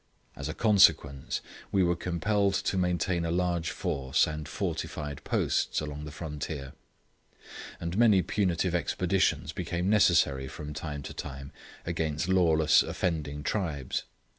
As a consequence, we were compelled to maintain a large force and fortified posts along the frontier; and many punitive expeditions became necessary from time to time against lawless offending tribes.